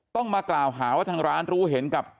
ต้องมากล่าวหาว่าทางร้านรู้เห็นกับ